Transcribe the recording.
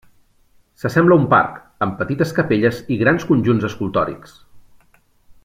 S'assembla a un parc, amb petites capelles i grans conjunts escultòrics.